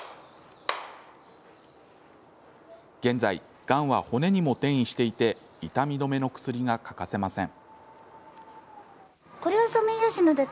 現在、がんは骨にも転移していて痛み止めの薬が欠かせません。